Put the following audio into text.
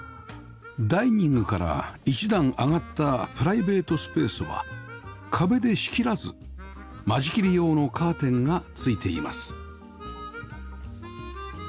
ダイニングから一段上がったプライベートスペースは壁で仕切らず間仕切り用のカーテンが付いています